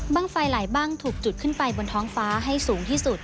ไฟไหลบ้างถูกจุดขึ้นไปบนท้องฟ้าให้สูงที่สุด